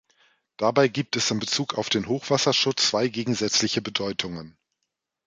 Dabei gibt es in Bezug auf den Hochwasserschutz zwei gegensätzliche Bedeutungen.